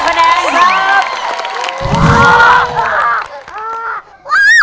ประสุนทรีย์